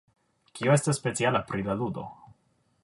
Kio estas speciala pri la ludo?